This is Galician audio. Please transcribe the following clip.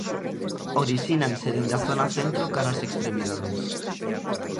Orixínanse dende a zona centro cara ás extremidades.